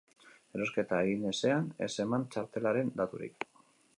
Erosketa egin ezean, ez eman txartelaren daturik.